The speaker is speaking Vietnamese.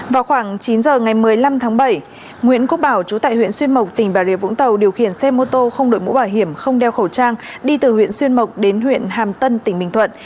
vào khoảng chín giờ ngày một mươi năm tháng bảy nguyễn quốc bảo chú tại huyện xuyên mộc tỉnh bà rịa vũng tàu điều khiển xe mô tô không đổi mũ bảo hiểm không đeo khẩu trang đi từ huyện xuyên mộc đến huyện hàm tân tỉnh bình thuận